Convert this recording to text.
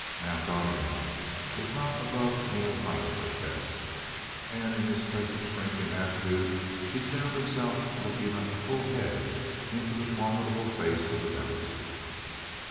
Now, Donnegan was not above middle height at best, and in his present shrinking attitude he found himself looking up a full head into the formidable face of the bouncer.